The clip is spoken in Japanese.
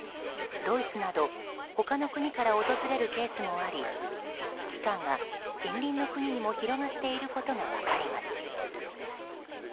ドイツなど他の国から訪れるケースもあり危機感が近隣の国にも広がっていることが分かります。